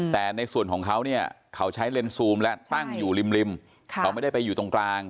แต่ในส่วนของเขาเนี่ยเขาใช้เลนซูมและตั้งอยู่ริมเขาไม่ได้ไปอยู่ตรงกลาง